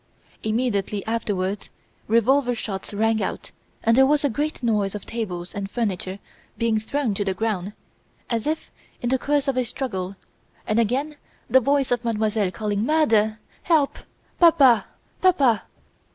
Immediately afterwards revolver shots rang out and there was a great noise of tables and furniture being thrown to the ground, as if in the course of a struggle, and again the voice of Mademoiselle calling, "Murder! help! Papa! Papa!